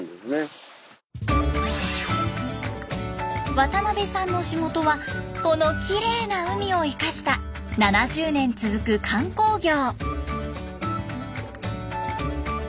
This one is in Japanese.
渡邊さんの仕事はこのきれいな海を生かした７０年続く観光業。